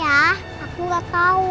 maaf ya aku nggak tahu